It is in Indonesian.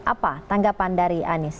apa tanggapan dari anis